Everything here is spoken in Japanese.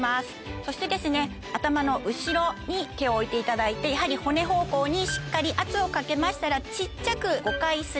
そして頭の後ろに手を置いていただいてやはり骨方向にしっかり圧をかけましたら小っちゃく５回スライドです。